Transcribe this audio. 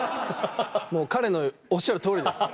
もう彼のおっしゃるとおりです